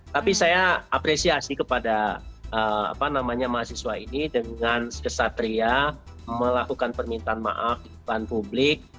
tapi saya apresiasi kepada mahasiswa ini dengan kesatria melakukan permintaan maaf kepada publik